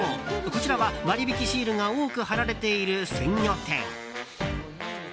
こちらは、割引シールが多く貼られている鮮魚店。